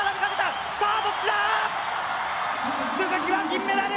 鈴木は銀メダル！